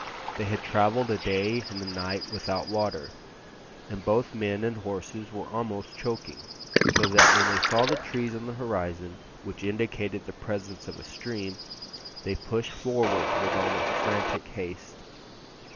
They had travelled a day and a night without water, and both men and horses were almost choking, so that when they saw the trees on the horizon which indicated the presence of a stream, they pushed forward with almost frantic haste.